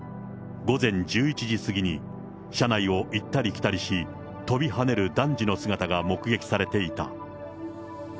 午前１１時過ぎに車内を行ったり来たりし、跳びはねる男児の姿が目撃されていた。